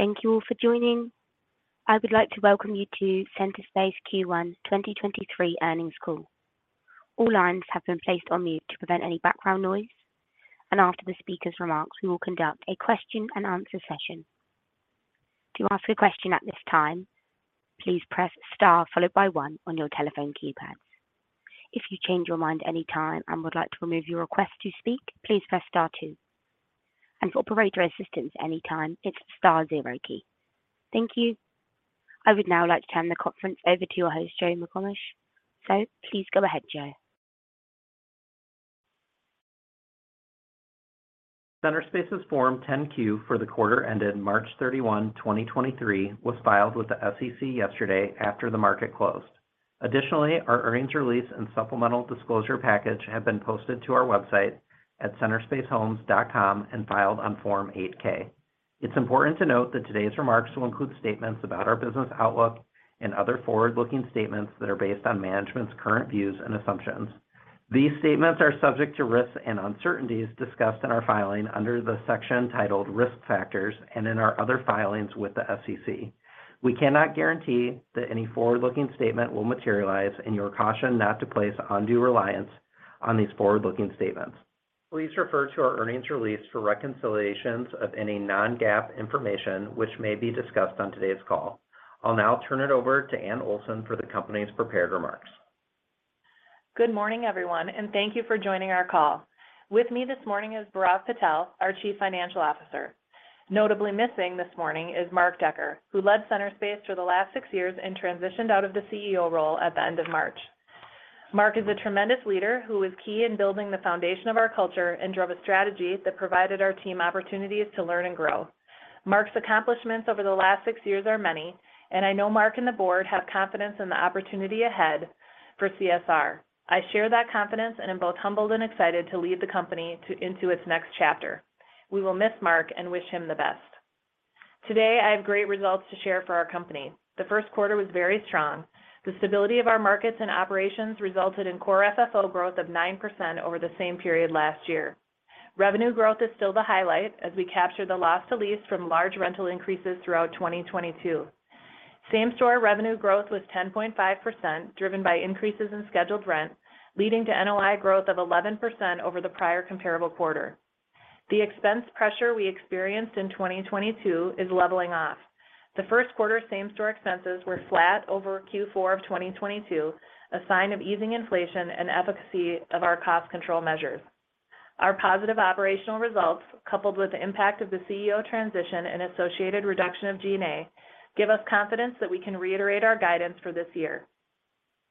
Thank you all for joining. I would like to welcome you to Centerspace Q1 2023 earnings call. All lines have been placed on mute to prevent any background noise, and after the speaker's remarks, we will conduct a question-and-answer session. To ask a question at this time, please press star followed by one on your telephone keypads. If you change your mind at any time and would like to remove your request to speak, please press star two. For operator assistance any time, it's star zero key. Thank you. I would now like to turn the conference over to your host, Joe McComish. Please go ahead, Joe. Centerspace's Form 10-Q for the quarter ended March 31, 2023, was filed with the SEC yesterday after the market closed. Our earnings release and supplemental disclosure package have been posted to our website at centerspacehomes.com and filed on Form 8-K. It's important to note that today's remarks will include statements about our business outlook and other forward-looking statements that are based on management's current views and assumptions. These statements are subject to risks and uncertainties discussed in our filing under the section titled Risk Factors and in our other filings with the SEC. We cannot guarantee that any forward-looking statement will materialize, you are cautioned not to place undue reliance on these forward-looking statements. Please refer to our earnings release for reconciliations of any non-GAAP information which may be discussed on today's call. I'll now turn it over to Anne Olson for the Company's prepared remarks. Good morning, everyone, thank you for joining our call. With me this morning is Bhairav Patel, our Chief Financial Officer. Notably missing this morning is Mark Decker, who led Centerspace for the last six years and transitioned out of the CEO role at the end of March. Mark is a tremendous leader who was key in building the foundation of our culture and drove a strategy that provided our team opportunities to learn and grow. Mark's accomplishments over the last six years are many, and I know Mark and the board have confidence in the opportunity ahead for CSR. I share that confidence and am both humbled and excited to lead the company into its next chapter. We will miss Mark and wish him the best. Today, I have great results to share for our company. The first quarter was very strong. The stability of our markets and operations resulted in core FFO growth of 9% over the same period last year. Revenue growth is still the highlight as we capture the loss to lease from large rental increases throughout 2022. Same-store revenue growth was 10.5%, driven by increases in scheduled rent, leading to NOI growth of 11% over the prior comparable quarter. The expense pressure we experienced in 2022 is leveling off. The first quarter same-store expenses were flat over Q4 of 2022, a sign of easing inflation and efficacy of our cost control measures. Our positive operational results, coupled with the impact of the CEO transition and associated reduction of G&A, give us confidence that we can reiterate our guidance for this year.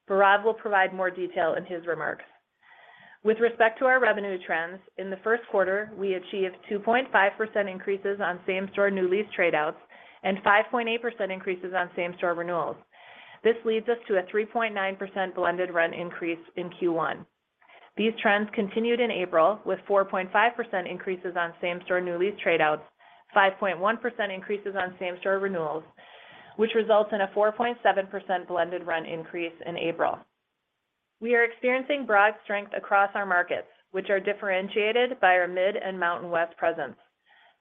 Bhairav will provide more detail in his remarks. With respect to our revenue trends, in the first quarter, we achieved 2.5% increases on same-store new lease trade-outs and 5.8% increases on same-store renewals. This leads us to a 3.9% blended rent increase in Q1. These trends continued in April, with 4.5% increases on same-store new lease trade-outs, 5.1% increases on same-store renewals, which results in a 4.7% blended rent increase in April. We are experiencing broad strength across our markets, which are differentiated by our mid and Mountain West presence.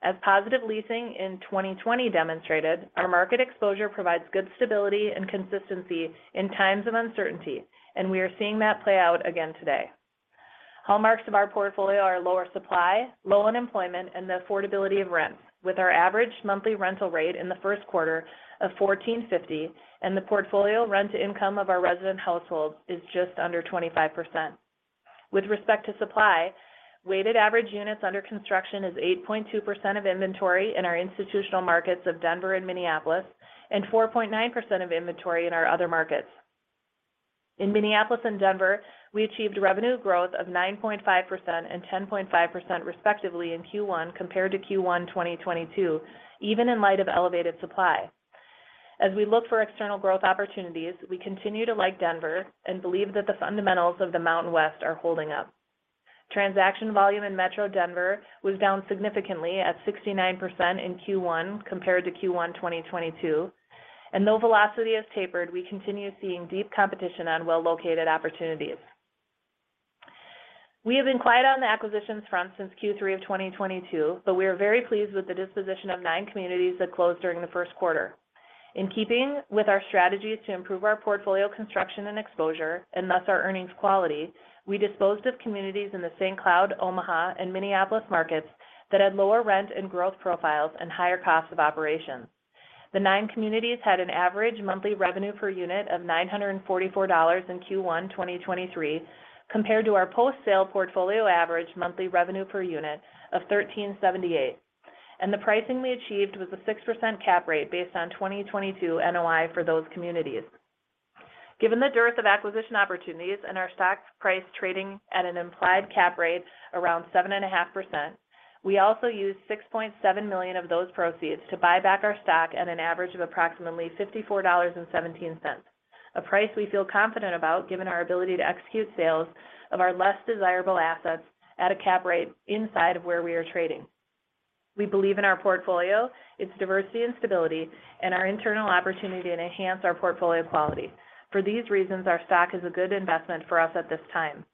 As positive leasing in 2020 demonstrated, our market exposure provides good stability and consistency in times of uncertainty, and we are seeing that play out again today. Hallmarks of our portfolio are lower supply, low unemployment, and the affordability of rents, with our average monthly rental rate in the first quarter of $1,450 and the portfolio rent to income of our resident households is just under 25%. With respect to supply, weighted average units under construction is 8.2% of inventory in our institutional markets of Denver and Minneapolis and 4.9% of inventory in our other markets. In Minneapolis and Denver, we achieved revenue growth of 9.5% and 10.5% respectively in Q1 compared to Q1 2022, even in light of elevated supply. As we look for external growth opportunities, we continue to like Denver and believe that the fundamentals of the Mountain West are holding up. Transaction volume in Metro Denver was down significantly at 69% in Q1 compared to Q1 2022. Though velocity has tapered, we continue seeing deep competition on well-located opportunities. We have been quiet on the acquisitions front since Q3 of 2022, we are very pleased with the disposition of 9 communities that closed during the first quarter. In keeping with our strategies to improve our portfolio construction and exposure, thus our earnings quality, we disposed of communities in the Saint Cloud, Omaha, and Minneapolis markets that had lower rent and growth profiles and higher costs of operations. The nine communities had an average monthly revenue per unit of $944 in Q1 2023, compared to our post-sale portfolio average monthly revenue per unit of $1,378. The pricing we achieved was a 6% cap rate based on 2022 NOI for those communities. Given the dearth of acquisition opportunities and our stock price trading at an implied cap rate around 7.5%, we also used $6.7 million of those proceeds to buy back our stock at an average of approximately $54.17, a price we feel confident about given our ability to execute sales of our less desirable assets at a cap rate inside of where we are trading. We believe in our portfolio, its diversity and stability, and our internal opportunity to enhance our portfolio quality. For these reasons, our stock is a good investment for us at this time.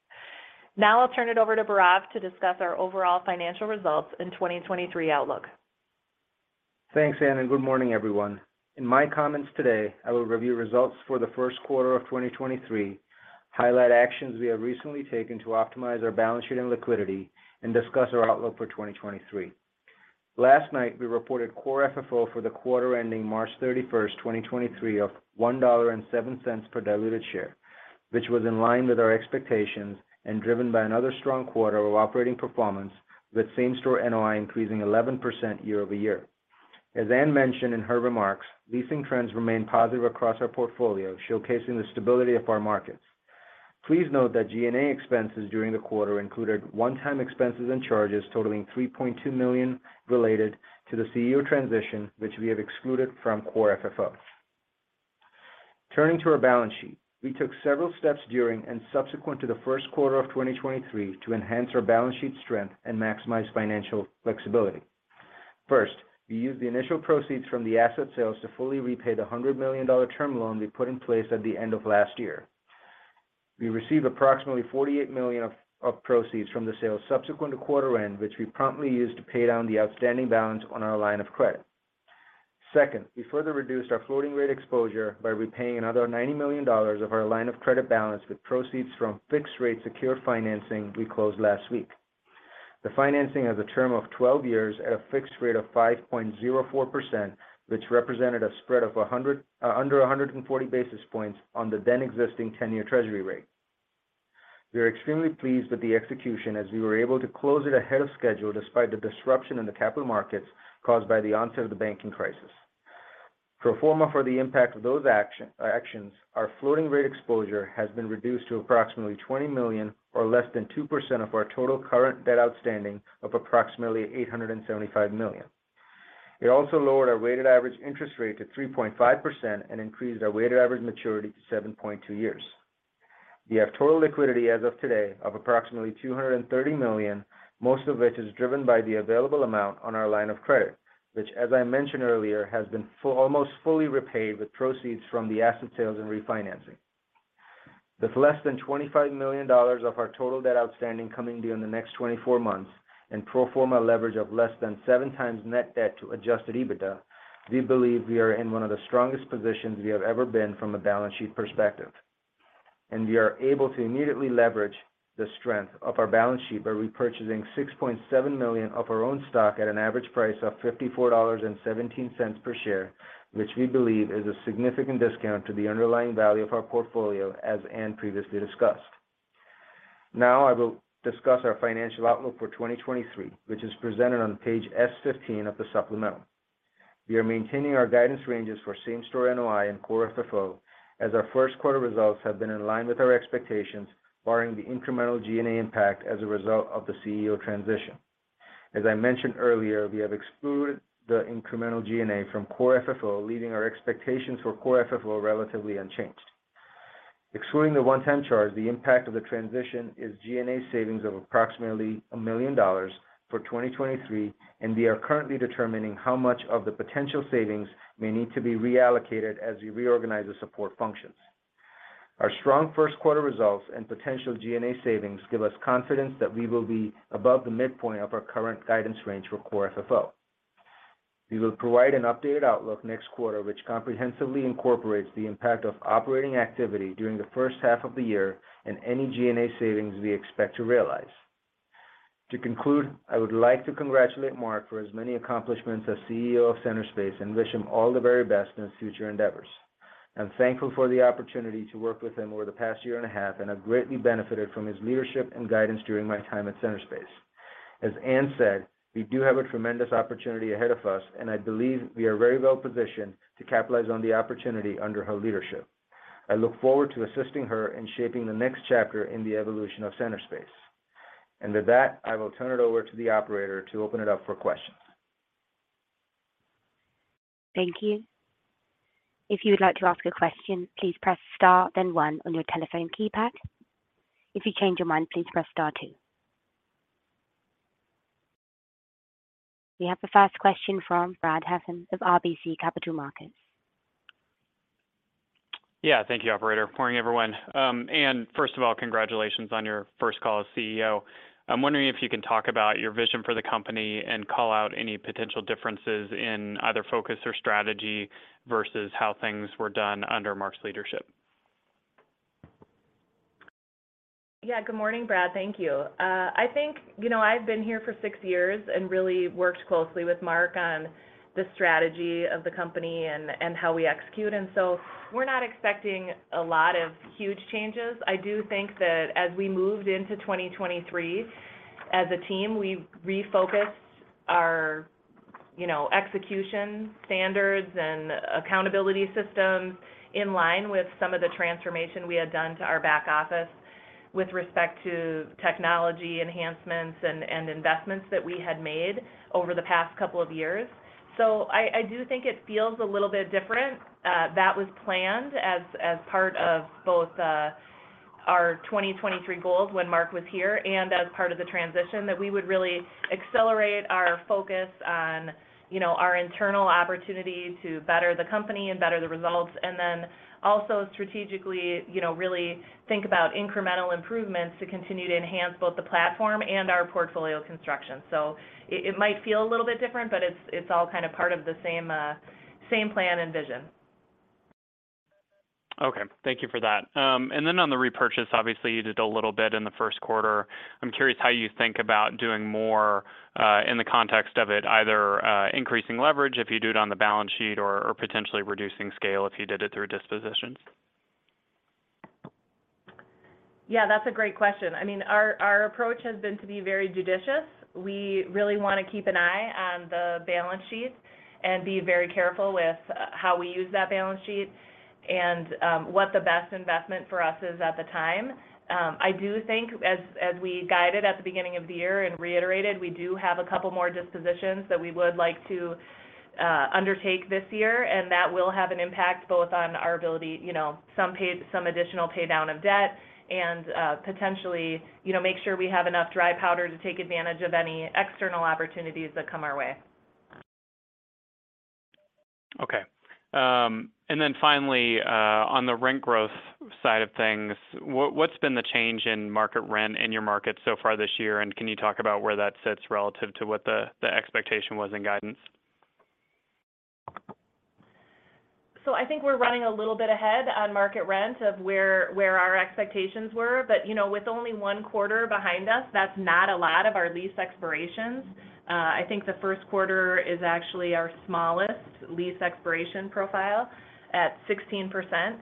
I'll turn it over to Bhairav to discuss our overall financial results in 2023 outlook. Thanks, Anne, and good morning, everyone. In my comments today, I will review results for the first quarter of 2023, highlight actions we have recently taken to optimize our balance sheet and liquidity, and discuss our outlook for 2023. Last night, we reported core FFO for the quarter ending March 31, 2023 of $1.07 per diluted share, which was in line with our expectations and driven by another strong quarter of operating performance with same-store NOI increasing 11% year-over-year. As Anne mentioned in her remarks, leasing trends remain positive across our portfolio, showcasing the stability of our markets. Please note that G&A expenses during the quarter included one-time expenses and charges totaling $3.2 million related to the CEO transition, which we have excluded from core FFO. Turning to our balance sheet, we took several steps during and subsequent to the first quarter of 2023 to enhance our balance sheet strength and maximize financial flexibility. We used the initial proceeds from the asset sales to fully repay the $100 million term loan we put in place at the end of last year. We received approximately $48 million of proceeds from the sale subsequent to quarter end, which we promptly used to pay down the outstanding balance on our line of credit. We further reduced our floating rate exposure by repaying another $90 million of our line of credit balance with proceeds from fixed rate secured financing we closed last week. The financing has a term of 12 years at a fixed rate of 5.04%, which represented a spread of under 140 basis points on the then existing 10-year treasury rate. We are extremely pleased with the execution as we were able to close it ahead of schedule despite the disruption in the capital markets caused by the onset of the banking crisis. Pro forma for the impact of those actions, our floating rate exposure has been reduced to approximately $20 million or less than 2% of our total current debt outstanding of approximately $875 million. It also lowered our weighted average interest rate to 3.5% and increased our weighted average maturity to 7.2 years. We have total liquidity as of today of approximately $230 million, most of which is driven by the available amount on our line of credit, which as I mentioned earlier, has been almost fully repaid with proceeds from the asset sales and refinancing. With less than $25 million of our total debt outstanding coming due in the next 24 months and pro forma leverage of less than 7 times net debt to adjusted EBITDA, we believe we are in one of the strongest positions we have ever been from a balance sheet perspective. We are able to immediately leverage the strength of our balance sheet by repurchasing $6.7 million of our own stock at an average price of $54.17 per share, which we believe is a significant discount to the underlying value of our portfolio, as Anne Olson previously discussed. Now I will discuss our financial outlook for 2023, which is presented on page S15 of the supplemental. We are maintaining our guidance ranges for same-store NOI and core FFO, as our first quarter results have been in line with our expectations, barring the incremental G&A impact as a result of the CEO transition. As I mentioned earlier, we have excluded the incremental G&A from core FFO, leaving our expectations for core FFO relatively unchanged. Excluding the one-time charge, the impact of the transition is G&A savings of approximately $1 million for 2023. We are currently determining how much of the potential savings may need to be reallocated as we reorganize the support functions. Our strong first quarter results and potential G&A savings give us confidence that we will be above the midpoint of our current guidance range for core FFO. We will provide an updated outlook next quarter, which comprehensively incorporates the impact of operating activity during the first half of the year and any G&A savings we expect to realize. To conclude, I would like to congratulate Mark for his many accomplishments as CEO of Centerspace and wish him all the very best in his future endeavors. I'm thankful for the opportunity to work with him over the past year and a half and have greatly benefited from his leadership and guidance during my time at Centerspace. As Anne said, we do have a tremendous opportunity ahead of us. I believe we are very well positioned to capitalize on the opportunity under her leadership. I look forward to assisting her in shaping the next chapter in the evolution of Centerspace. With that, I will turn it over to the operator to open it up for questions. Thank you. If you would like to ask a question, please press star then one on your telephone keypad. If you change your mind, please press star two. We have the first question from Brad Heffern of RBC Capital Markets. Yeah. Thank you, operator. Morning, everyone. Anne, first of all, congratulations on your first call as CEO. I'm wondering if you can talk about your vision for the company and call out any potential differences in either focus or strategy versus how things were done under Mark's leadership. Yeah. Good morning, Brad. Thank you. I think, you know, I've been here for six years and really worked closely with Mark on the strategy of the company and how we execute. We're not expecting a lot of huge changes. I do think that as we moved into 2023, as a team, we've refocused our, you know, execution standards and accountability systems in line with some of the transformation we had done to our back office with respect to technology enhancements and investments that we had made over the past couple of years. I do think it feels a little bit different. That was planned as part of both. Our 2023 goals when Mark was here and as part of the transition that we would really accelerate our focus on, you know, our internal opportunity to better the company and better the results, and then also strategically, you know, really think about incremental improvements to continue to enhance both the platform and our portfolio construction. It might feel a little bit different, but it's all kind of part of the same plan and vision. Okay. Thank you for that. Then on the repurchase, obviously you did a little bit in the first quarter. I'm curious how you think about doing more, in the context of it, either increasing leverage if you do it on the balance sheet or potentially reducing scale if you did it through dispositions. Yeah, that's a great question. I mean, our approach has been to be very judicious. We really wanna keep an eye on the balance sheet and be very careful with how we use that balance sheet and what the best investment for us is at the time. I do think as we guided at the beginning of the year and reiterated, we do have a couple more dispositions that we would like to undertake this year, and that will have an impact both on our ability, you know, some additional pay-down of debt and potentially, you know, make sure we have enough dry powder to take advantage of any external opportunities that come our way. Okay. Then finally, on the rent growth side of things, what's been the change in market rent in your market so far this year, and can you talk about where that sits relative to what the expectation was in guidance? I think we're running a little bit ahead on market rent of where our expectations were. You know, with only one quarter behind us, that's not a lot of our lease expirations. I think the first quarter is actually our smallest lease expiration profile at 16%.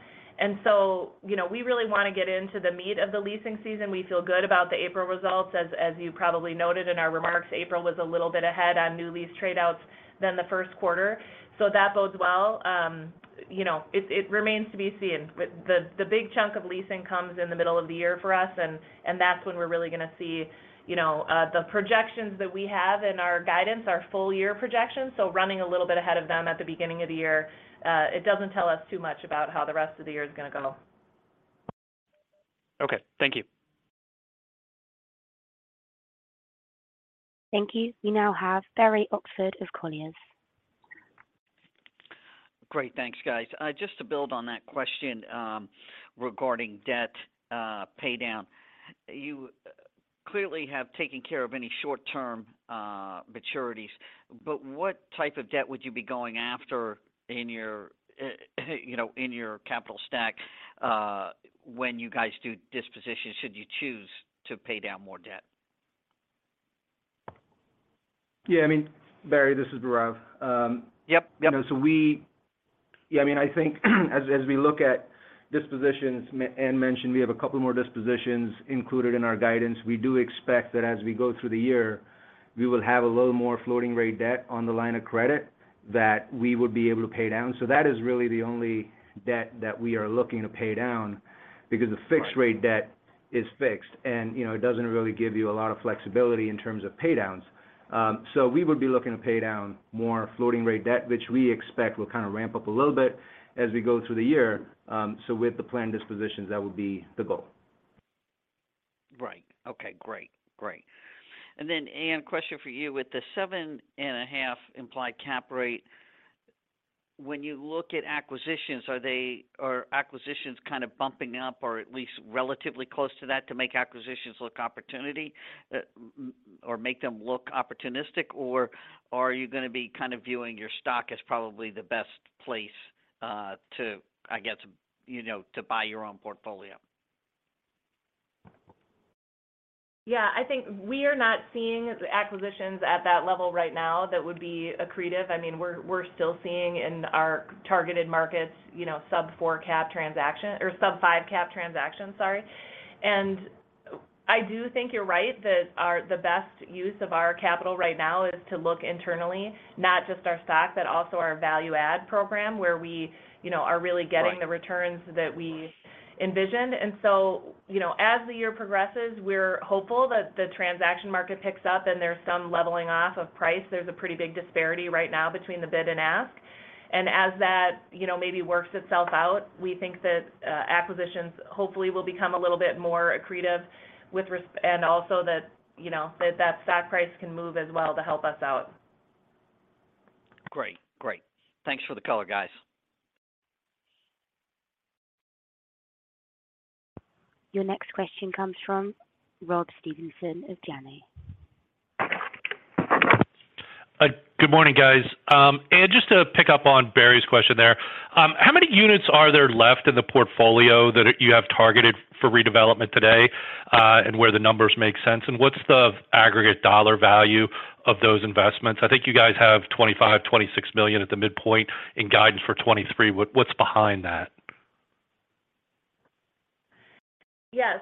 You know, we really wanna get into the meat of the leasing season. We feel good about the April results. As you probably noted in our remarks, April was a little bit ahead on new lease trade-outs than the first quarter. That bodes well. You know, it remains to be seen. The big chunk of leasing comes in the middle of the year for us, and that's when we're really gonna see, you know, the projections that we have in our guidance, our full year projections. Running a little bit ahead of them at the beginning of the year, it doesn't tell us too much about how the rest of the year is gonna go. Okay. Thank you. Thank you. We now have Barry Oxford of Colliers. Great. Thanks, guys. Just to build on that question, regarding debt, pay down. You clearly have taken care of any short term, maturities, but what type of debt would you be going after in your, you know, in your capital stack, when you guys do dispositions, should you choose to pay down more debt? Yeah. I mean, Barry, this is Bhairav. Yep. Yep. You know, Yeah, I mean, I think as we look at dispositions, Anne Olson mentioned we have a couple more dispositions included in our guidance. We do expect that as we go through the year, we will have a little more floating rate debt on the line of credit that we would be able to pay down. That is really the only debt that we are looking to pay down because the fixed rate debt is fixed and, you know, it doesn't really give you a lot of flexibility in terms of pay downs. We would be looking to pay down more floating rate debt, which we expect will kind of ramp up a little bit as we go through the year. With the planned dispositions, that would be the goal. Right. Okay, great. Great. Anne, question for you. With the 7.5 implied cap rate, when you look at acquisitions, are acquisitions kind of bumping up or at least relatively close to that to make acquisitions look opportunity or make them look opportunistic? Are you gonna be kind of viewing your stock as probably the best place to, I guess, you know, to buy your own portfolio? Yeah. I think we are not seeing acquisitions at that level right now that would be accretive. I mean, we're still seeing in our targeted markets, you know, sub 4 cap transaction or sub 5 cap transactions, sorry. I do think you're right that the best use of our capital right now is to look internally, not just our stock, but also our value add program, where we, you know, are really getting- Right... the returns that we envisioned. You know, as the year progresses, we're hopeful that the transaction market picks up and there's some leveling off of price. There's a pretty big disparity right now between the bid and ask. As that, you know, maybe works itself out, we think that acquisitions hopefully will become a little bit more accretive and also that, you know, that stock price can move as well to help us out. Great. Great. Thanks for the color, guys. Your next question comes from Rob Stevenson of Janney. Good morning, guys. Anne, just to pick up on Barry's question there. How many units are there left in the portfolio that you have targeted for redevelopment today, and where the numbers make sense? What's the aggregate dollar value of those investments? I think you guys have $25 million-$26 million at the midpoint in guidance for 2023. What's behind that? Yeah.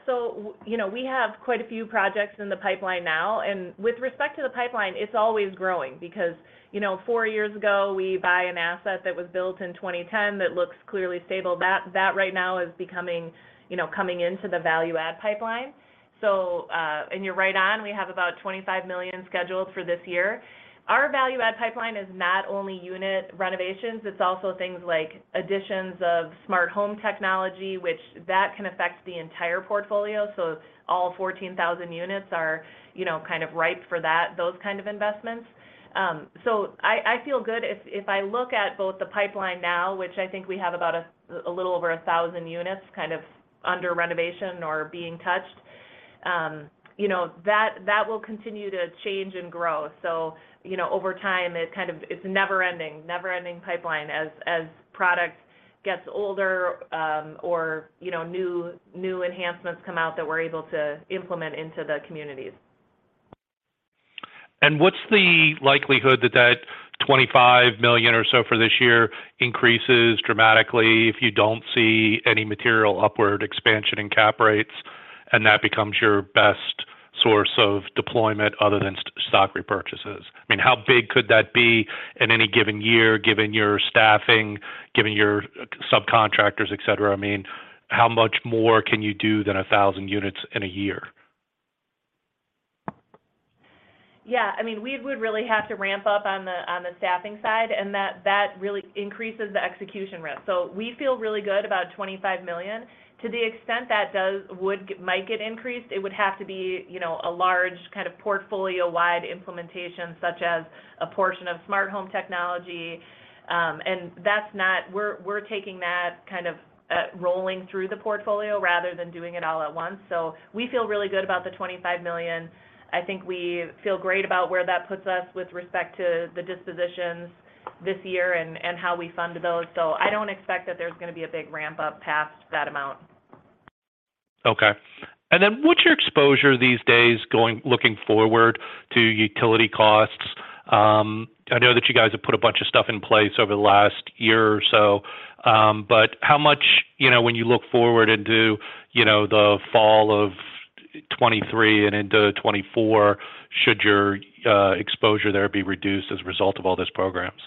you know, we have quite a few projects in the pipeline now. With respect to the pipeline, it's always growing because, you know, four years ago, we buy an asset that was built in 2010 that looks clearly stable. That right now is becoming, you know, coming into the value add pipeline. You're right on. We have about $25 million scheduled for this year. Our value add pipeline is not only unit renovations, it's also things like additions of smart home technology, which that can affect the entire portfolio. All 14,000 units are, you know, kind of ripe for that, those kind of investments. I feel good. If I look at both the pipeline now, which I think we have about a little over 1,000 units kind of under renovation or being touched, you know, that will continue to change and grow. You know, over time. It's never ending, never ending pipeline as product gets older, or, you know, new enhancements come out that we're able to implement into the communities. What's the likelihood that that $25 million or so for this year increases dramatically if you don't see any material upward expansion in cap rates, and that becomes your best source of deployment other than stock repurchases? I mean, how big could that be in any given year, given your staffing, given your subcontractors, et cetera? I mean, how much more can you do than 1,000 units in a year? Yeah. I mean, we would really have to ramp up on the, on the staffing side, and that really increases the execution risk. We feel really good about $25 million. To the extent that might get increased, it would have to be, you know, a large kind of portfolio-wide implementation such as a portion of smart home technology. That's not, we're taking that kind of rolling through the portfolio rather than doing it all at once. We feel really good about the $25 million. I think we feel great about where that puts us with respect to the dispositions this year and how we fund those. I don't expect that there's gonna be a big ramp up past that amount. Okay. What's your exposure these days looking forward to utility costs? I know that you guys have put a bunch of stuff in place over the last year or so. How much, you know, when you look forward into, you know, the fall of 2023 and into 2024, should your exposure there be reduced as a result of all those programs?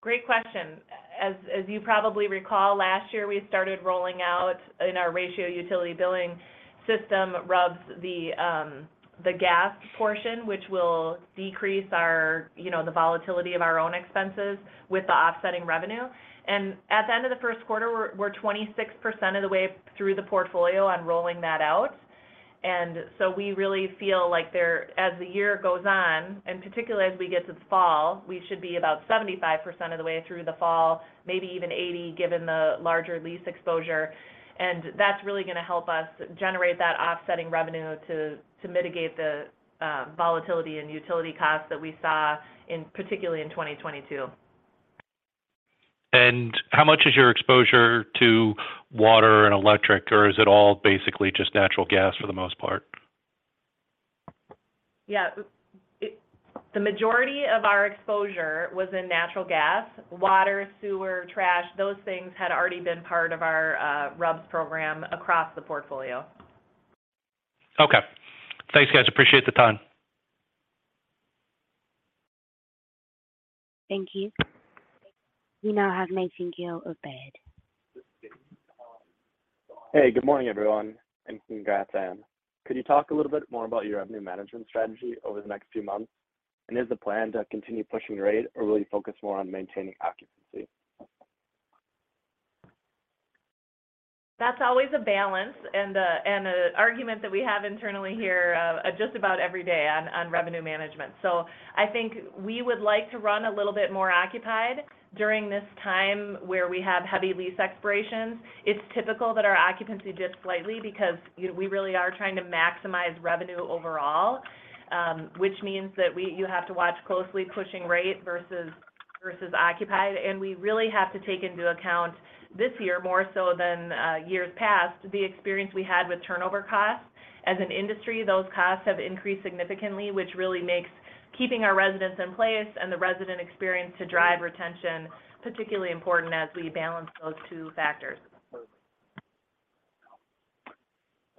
Great question. As you probably recall, last year we started rolling out in our ratio utility billing system RUBS, the gas portion, which will decrease our, you know, the volatility of our own expenses with the offsetting revenue. At the end of the first quarter, we're 26% of the way through the portfolio on rolling that out. So we really feel like as the year goes on, and particularly as we get to the fall, we should be about 75% of the way through the fall, maybe even 80%, given the larger lease exposure. That's really gonna help us generate that offsetting revenue to mitigate the volatility in utility costs that we saw in, particularly in 2022. How much is your exposure to water and electric, or is it all basically just natural gas for the most part? Yeah. The majority of our exposure was in natural gas, water, sewer, trash. Those things had already been part of our RUBS program across the portfolio. Okay. Thanks, guys. Appreciate the time. Thank you. We now have Mason Guell of Baird. Hey, good morning, everyone, and congrats, Anne. Could you talk a little bit more about your revenue management strategy over the next few months? Is the plan to continue pushing rate or will you focus more on maintaining occupancy? That's always a balance and a, and a argument that we have internally here just about every day on revenue management. I think we would like to run a little bit more occupied during this time where we have heavy lease expirations. It's typical that our occupancy dips slightly because, you know, we really are trying to maximize revenue overall, which means that you have to watch closely pushing rate versus occupied. We really have to take into account this year more so than years past, the experience we had with turnover costs. As an industry, those costs have increased significantly, which really makes keeping our residents in place and the resident experience to drive retention, particularly important as we balance those two factors.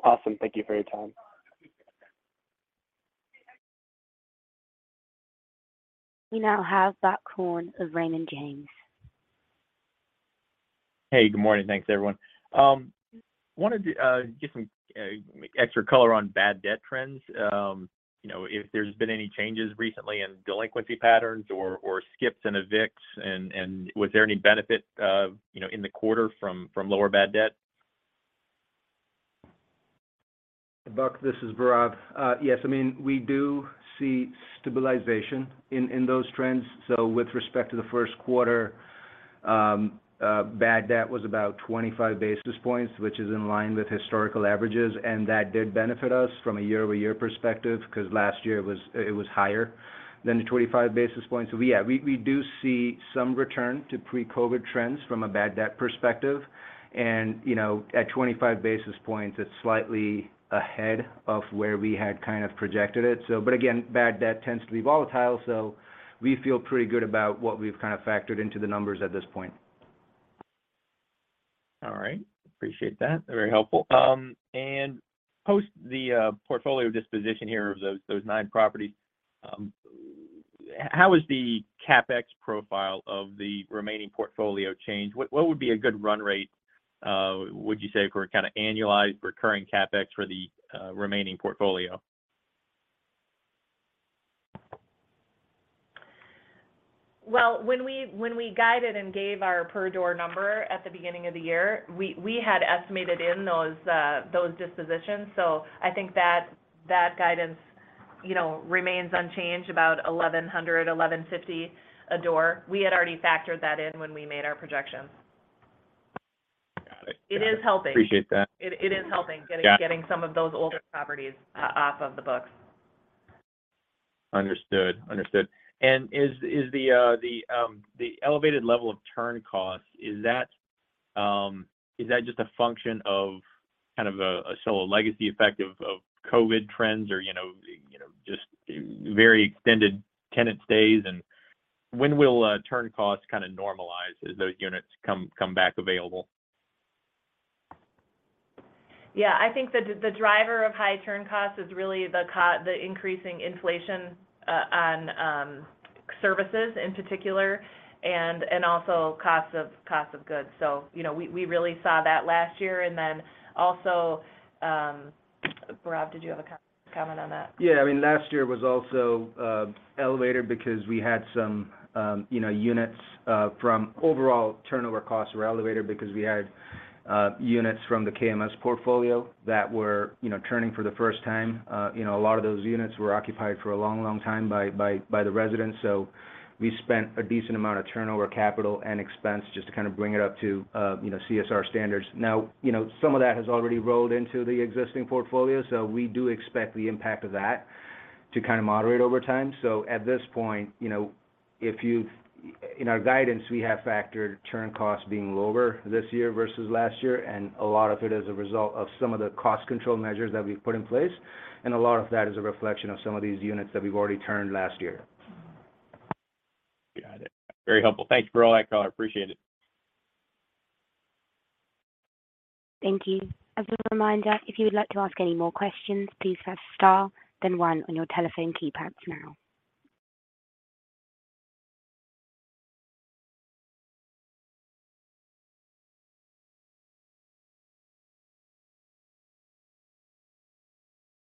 Awesome. Thank you for your time. We now have Buck Horne of Raymond James. Hey, good morning. Thanks, everyone. wanted to get some extra color on bad debt trends. you know, if there's been any changes recently in delinquency patterns or skips and evicts and was there any benefit, you know, in the quarter from lower bad debt? Buck, this is Bhairav. Yes. I mean, we do see stabilization in those trends. With respect to the first quarter, bad debt was about 25 basis points, which is in line with historical averages, and that did benefit us from a year-over-year perspective, 'cause last year it was higher than the 25 basis points. Yeah, we do see some return to pre-COVID trends from a bad debt perspective. You know, at 25 basis points, it's slightly ahead of where we had kind of projected it. Again, bad debt tends to be volatile, so we feel pretty good about what we've kind of factored into the numbers at this point. All right. Appreciate that. Very helpful. Post the portfolio disposition here of those nine properties, how has the CapEx profile of the remaining portfolio changed? What would be a good run rate, would you say for a kind of annualized recurring CapEx for the remaining portfolio? Well, when we guided and gave our per door number at the beginning of the year, we had estimated in those dispositions. I think that guidance, you know, remains unchanged about $1,100, $1,150 a door. We had already factored that in when we made our projections. Got it. Got it. It is helping. Appreciate that. It is helping. Got it. getting some of those older properties off of the books. Understood. Understood. Is the elevated level of turn costs, is that just a function of kind of a solo legacy effect of COVID trends or, you know, you know, just very extended tenant stays and when will turn costs kinda normalize as those units come back available? I think the driver of high turn costs is really the increasing inflation on services in particular, and also costs of goods. You know, we really saw that last year. Also, Bhairav, did you have a comment on that? Yeah. I mean, last year was also elevated because we had some, you know, units. Overall turnover costs were elevated because we had units from the KMS portfolio that were, you know, turning for the first time. You know, a lot of those units were occupied for a long, long time by the residents. We spent a decent amount of turnover capital and expense just to kind of bring it up to, you know, CSR standards. Some of that has already rolled into the existing portfolio, so we do expect the impact of that to kind of moderate over time. At this point, you know, if you've... In our guidance, we have factored turn costs being lower this year versus last year, and a lot of it is a result of some of the cost control measures that we've put in place, and a lot of that is a reflection of some of these units that we've already turned last year. Got it. Very helpful. Thank you for all that, y'all. I appreciate it. Thank you. As a reminder, if you would like to ask any more questions, please press star then one on your telephone keypads now.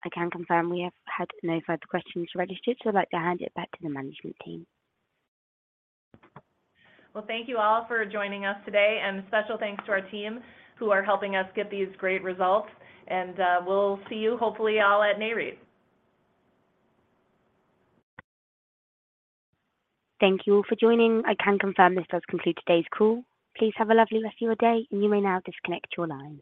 I can confirm we have had no further questions registered. I'd like to hand it back to the management team. Well, thank you all for joining us today, and a special thanks to our team who are helping us get these great results. We'll see you, hopefully, all at Nareit. Thank you all for joining. I can confirm this does conclude today's call. Please have a lovely rest of your day. You may now disconnect your lines.